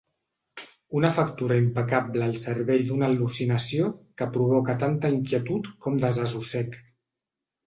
Una factura impecable al servei d'una al·lucinació que provoca tanta inquietud com desassossec.